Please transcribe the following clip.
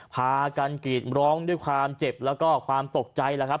พากันกรีดร้องด้วยความเจ็บแล้วก็ความตกใจแล้วครับ